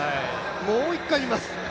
もう一回見ます。